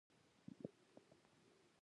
طوطي کارغه ته خبرې ور زده کړې.